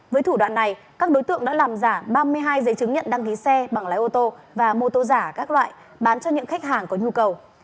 với thủ đoạn này các đối tượng đã làm giả ba mươi hai giấy chứng nhận đăng ký xe bằng lái ô tô và mô tô giả các loại bán cho những khách hàng có nhu cầu